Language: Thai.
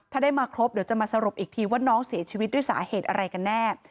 ถ้าได้มาครบเดี๋ยวจะมาสรุปอีกทีว่าน้องเสียชีวิตด้วยสาเหตุอะไรกันแน่